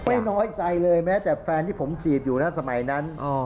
ไม่น้อยใจเลยแม้แต่แฟนที่ผมจีบอยู่นะสมัยนั้น